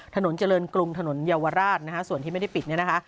ถนนเจริญกรุงถนนเยาวราชนะฮะส่วนที่ไม่ได้ปิดเนี่ยนะคะ